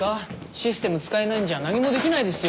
システム使えないんじゃ何もできないですよ。